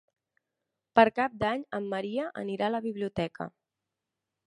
Per Cap d'Any en Maria anirà a la biblioteca.